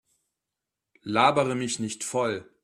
Labere mich nicht voll!